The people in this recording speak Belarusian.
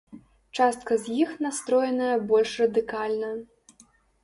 Частка з іх настроеная больш радыкальна.